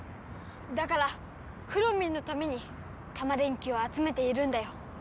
だからくろミンのためにタマ電Ｑをあつめているんだよ。